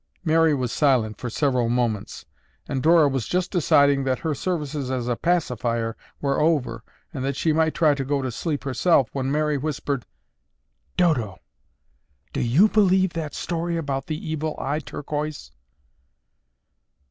Mary was silent for several moments, and Dora was just deciding that her services as a pacifier were over and that she might try to go to sleep herself, when Mary whispered, "Dodo, do you believe that story about the Evil Eye Turquoise?"